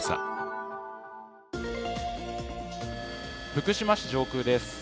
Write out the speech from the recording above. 福島市上空です。